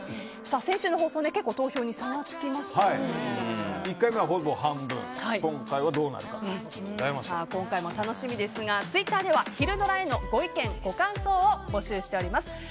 先週の放送、結構１回目はほぼ半分今回も楽しみですがツイッターではひるドラ！へのご意見、ご感想を募集しております。